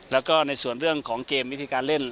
แล้วก็ในส่วนเรื่องของเกมวิธีการเล่น